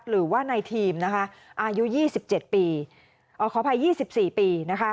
หรือว่าในทีมอายุ๒๔ปี